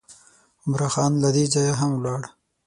عمرا خان له دې ځایه هم ولاړ.